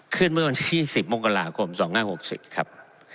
ขึ้นเมื่อวันนี้๑๐มกราคม๒๐๖๐ครับ